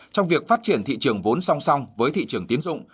trong việc phát triển thị trường vốn song song với thị trường tiến dụng